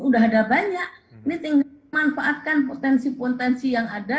udah ada banyak ini tinggal manfaatkan potensi potensi yang ada